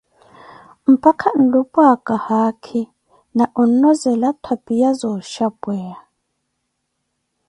mpakha ulupa haakhi, na onozela twapiya za oshapweya.